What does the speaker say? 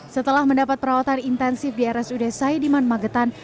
setelah mendapat perawatan intensif di rs ude sayediman magetan